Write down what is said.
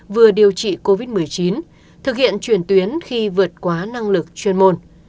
vừa điều trị covid một mươi chín thực hiện chuyển tuyến khi vượt quá năng lực chuyên môn